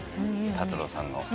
達郎さんの。